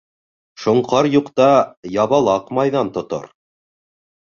Шоңҡар юҡта ябалаҡ майҙан тотор.